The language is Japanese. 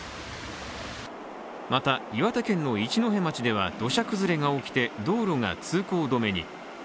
また、岩手県の一戸町では土砂崩れが起きて道路が通行止めに。